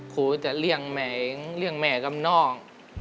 ขูจะเลี่ยงแม่กับนอก